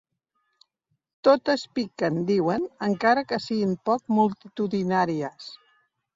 Totes piquen, diuen, encara que siguin poc multitudinàries.